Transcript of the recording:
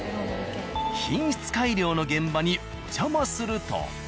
品質改良の現場にお邪魔すると。